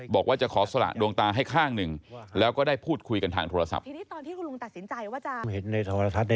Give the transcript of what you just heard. บอกว่าจะขอสละดวงตาให้ข้างหนึ่งแล้วก็ได้พูดคุยกันทางโทรศัพท์